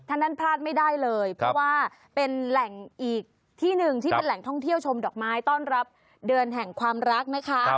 ท่านนั้นพลาดไม่ได้เลยเพราะว่าเป็นแหล่งอีกที่หนึ่งที่เป็นแหล่งท่องเที่ยวชมดอกไม้ต้อนรับเดือนแห่งความรักนะคะ